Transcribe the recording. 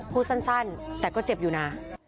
พูดสั้นแต่ก็เจ็บอยู่นะ